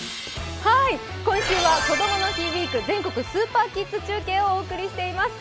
今週は「こどもの日ウィーク全国スーパーキッズ中継」をお送りしています。